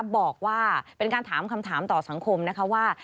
บอกว่าเป็นการถามคำถามต่อสังคมนะคะว่า